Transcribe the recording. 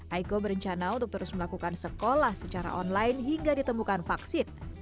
aiko berencana untuk terus melakukan sekolah secara online hingga ditemukan vaksin